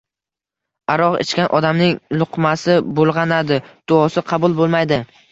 Aroq ichgan odamning luqmasi bulg‘anadi, duosi qabul bo‘lmaydi.